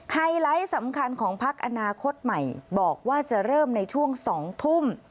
ไฮไลท์สำคัญของพักอนาคตใหม่บอกว่าจะเริ่มในช่วง๒ทุ่ม